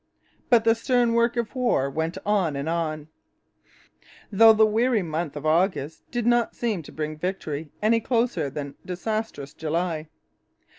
But the stern work of war went on and on, though the weary month of August did not seem to bring victory any closer than disastrous July.